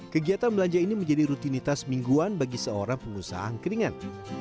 kegiatan belanja ini menjadi rutinitas mingguan bagi seorang pengusaha angkringan